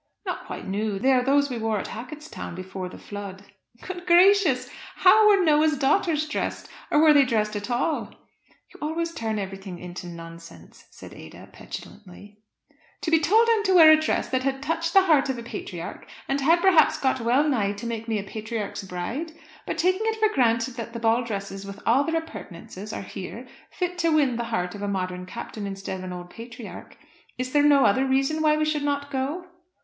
"Not quite new. They are those we wore at Hacketstown before the flood." "Good gracious! How were Noah's daughters dressed? Or were they dressed at all?" "You always turn everything into nonsense," said Ada, petulantly. "To be told I'm to wear a dress that had touched the heart of a patriarch, and had perhaps gone well nigh to make me a patriarch's bride! But taking it for granted that the ball dresses with all their appurtenances are here, fit to win the heart of a modern Captain instead of an old patriarch, is there no other reason why we should not go?"